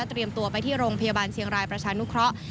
ตัวไปที่โรงพยาบาลเชียงรายประชานุเคราะห์